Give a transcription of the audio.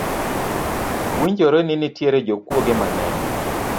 Winjore ni nitiere jokuoge mang’eny